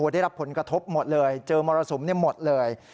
ได้รับผลกระทบหมดเลยเจอมรสุมหมดเลย